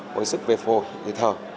hồi sức về phồ về thờ